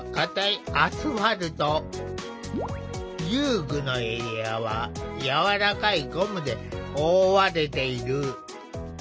遊具のエリアはやわらかいゴムで覆われている。